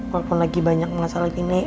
walaupun lagi banyak masalah gini